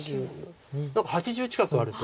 だから何か８０近くあると。